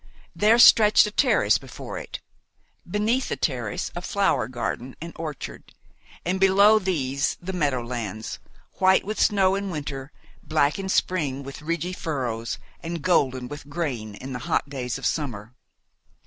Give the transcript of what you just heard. There stretched a terrace before it; beneath the terrace a flower garden and orchard; and below these the meadow lands, white with snow in winter, black in spring, with ridgy furrows, and golden with grain in the hot days of summer.